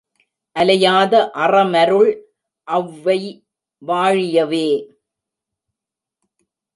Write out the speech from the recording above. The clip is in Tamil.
அலையாத அறமருள் ஒளவைவா ழியவே!